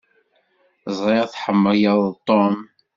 Ẓriɣ tḥemmleḍ Tom.